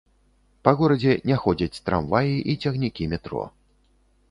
Па горадзе не ходзяць трамваі і цягнікі метро.